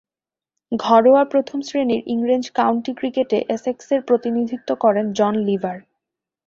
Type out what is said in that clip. ঘরোয়া প্রথম-শ্রেণীর ইংরেজ কাউন্টি ক্রিকেটে এসেক্সের প্রতিনিধিত্ব করেন জন লিভার।